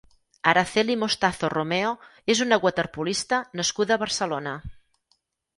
Araceli Mostazo Romeo és una waterpolista nascuda a Barcelona.